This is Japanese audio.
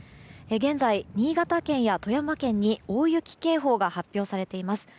現在、新潟県や富山県に大雪警報が発表されています。